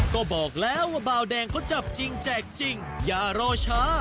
ก็บอกแล้วว่าเบาแดงเขาจับจริงแจกจริงอย่ารอช้า